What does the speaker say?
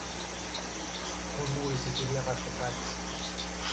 μουρμούρισε η κυρία Βασιωτάκη